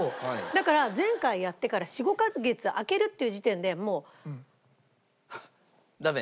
だから前回やってから４５カ月あけるっていう時点でもう。